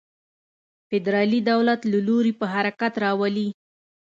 فدرالي دولت له لوري په حرکت راولي.